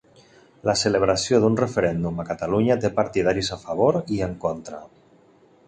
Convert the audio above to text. La celebració d'un referèndum a Catalunya té partidaris a favor i en contra